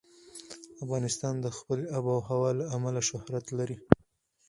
افغانستان د خپلې آب وهوا له امله شهرت لري.